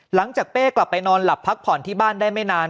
เป้กลับไปนอนหลับพักผ่อนที่บ้านได้ไม่นาน